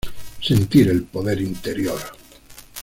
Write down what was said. Sentir el poder interior.